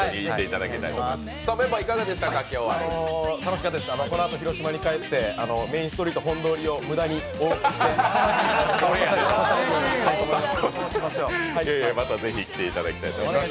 楽しかったです、このあと広島に帰ってメインストリート本通りを無駄に往復したいと思います。